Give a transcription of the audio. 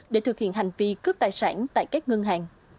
để thực hiện hành vi cướp tài sản tại các ngân hàng